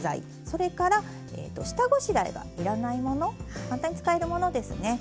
それから下ごしらえが要らないもの簡単に使えるものですね。